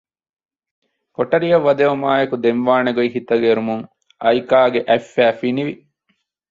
ކޮޓަރިއަށް ވަދެވުމާއެކު ދެން ވާނެގޮތް ހިތަށް އެރުމުން އައިކާގެ އަތްފައި ފިނިވި